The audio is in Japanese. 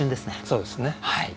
そうですね。